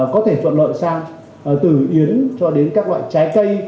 có thể thuận lợi sang từ yến cho đến các loại trái cây